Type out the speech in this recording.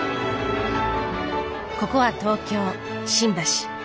ここは東京・新橋。